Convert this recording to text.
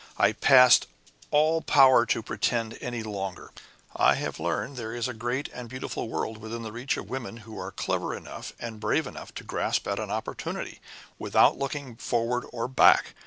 I've passed all power to pretend any longer. I have learned that there is a great and beautiful world within the reach of women who are clever enough and brave enough to grasp at an opportunity, without looking forward or back.